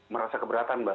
merasa keberatan mbak